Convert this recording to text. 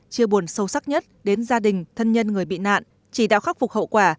chia buồn sâu sắc nhất đến gia đình thân nhân người bị nạn chỉ đạo khắc phục hậu quả